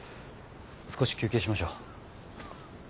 少し休憩しましょう。